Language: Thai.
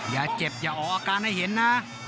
อย่าเจ็บอย่าออกอาการให้เห็นนะ